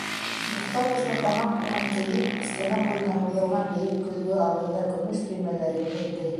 Буҫтау тышлы тамаҡ тунын кейеп, стена буйына һуҙылған бейек көҙгө алдында көмөш төймәләрен элде.